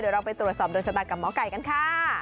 เดี๋ยวเราไปตรวจสอบโดนชะตากับหมอไก่กันค่ะ